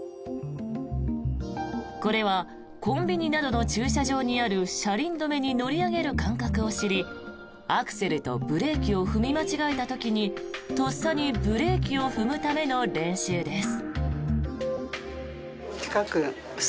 これはコンビニなどの駐車場にある車輪止めに乗り上げる感覚を知りアクセルとブレーキを踏み間違えた時にとっさにブレーキを踏むための練習です。